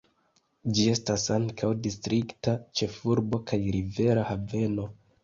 Ĝi estas ankaŭ distrikta ĉefurbo kaj rivera haveno.